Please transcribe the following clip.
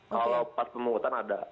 kalau pas pemungutan ada